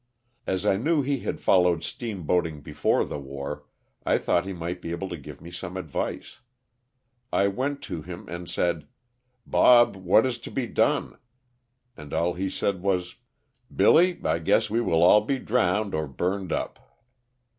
As I knew he had followed steamboating before the war, I thought he might be able to give me some advice. I went to him aud said, '^Bob, what is to be done.'^" and all he said was: *' Billy, I guess we will all be drowned or burned up.''